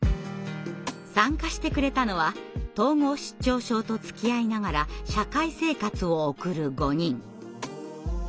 参加してくれたのは統合失調症とつきあいながら社会生活を送る５人。